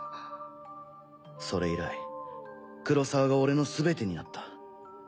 それ以来黒澤が俺のすべてになった。